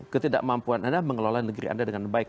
ketidakmampuan anda mengelola negeri anda dengan baik